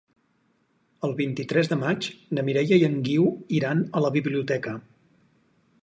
El vint-i-tres de maig na Mireia i en Guiu iran a la biblioteca.